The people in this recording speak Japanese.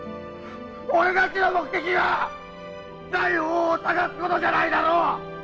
俺達の目的は財宝を探すことじゃないだろう！